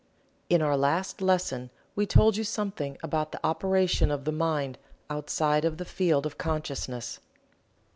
In our last lesson we told you something about the operation of the mind outside of the field of consciousness.